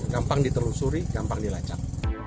gampang ditelusuri gampang dilecat